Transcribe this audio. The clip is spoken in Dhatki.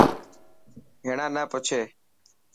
هيڻا نه پڇي.